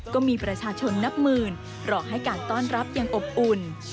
ก็มีประชาชนนับหมื่นรอให้การต้อนรับอย่างอบอุ่น